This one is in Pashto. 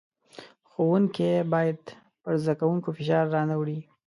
ښوونکی بايد پر زدکوونکو فشار را نۀ وړي.